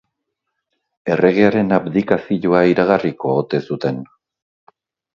Erregearen abdikazioa iragarriko ote zuten?